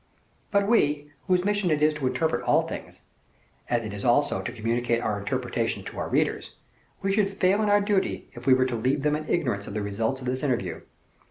But we, whose mission it is to interpret all things, as it is also to communicate our interpretations to our readers, we should fail in our duty, if we were to leave them in ignorance of the result of this interview.